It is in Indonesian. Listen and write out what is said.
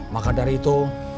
maka dari itu